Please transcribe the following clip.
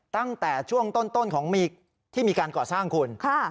ตั้งแต่ช่วงต้นของมีที่มีการก่อสร้างคุณ